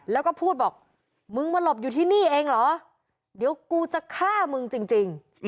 แล้วก็พูดบอกมึงมาหลบอยู่ที่นี่เองเหรอเดี๋ยวกูจะฆ่ามึงจริง